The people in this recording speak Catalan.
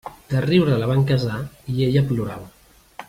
De riure la van casar i ella plorava.